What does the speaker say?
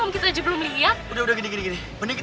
kita nyerahin diri ke polisi